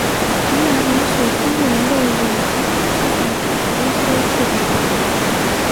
平壤民俗公园内有主体思想塔的微缩复制品。